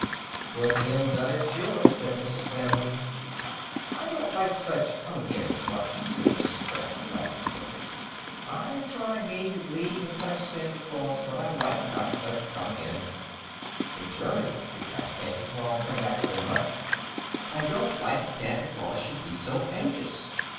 "'T was him done it, sure," said Mrs. Flannery. "I don't like such come agains, much," said Mrs. Gratz placidly. "I try me to believe in such a Santy Claus, but I like not such come agains. In Germany did not Santy Claus come back so much. I don't like a Santy Claus should be so anxious.